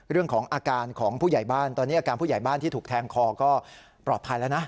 เรื่องของอาการของผู้ใหญ่บ้านตอนนี้อาการผู้ใหญ่บ้านที่ถูกแทงคอก็ปลอดภัยแล้วนะ